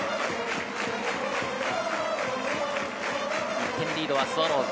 １点リードはスワローズ。